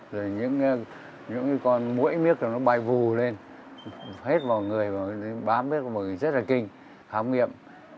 rồi những con muỗi miếc nó bay vù lên hết vào người bám bếp vào người rất là kinh hóng nghiệm